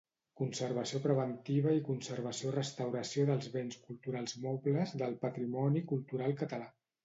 Conservació preventiva i conservació-restauració dels béns culturals mobles del patrimoni cultural català.